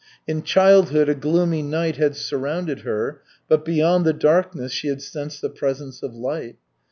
In childhood a gloomy night had surrounded her, but beyond the darkness she had sensed the presence of light.